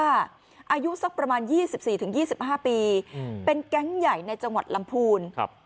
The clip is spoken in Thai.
อายุสักประมาณ๒๔๒๕ปีเป็นแก๊งใหญ่ในจังหวัดลำพูน